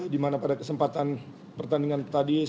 dimana pada kesempatan pertandingan tadi